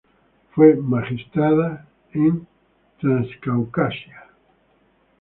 Fue magistrado en Transcaucasia.